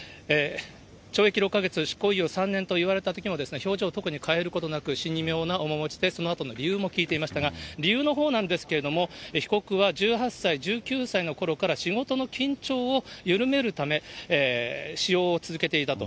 懲役６か月、執行猶予３年と言われたときの表情を特に変えることなく、神妙な面持ちで、そのあとの理由も聞いていましたが、理由のほうなんですけれども、被告は１８歳、１９歳のころから仕事の緊張を緩めるため、使用を続けていたと。